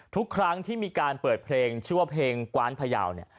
ทุกครั้งที่มีการเปิดเพลงชื่อว่าเพลงกว้านพยาวเนี่ย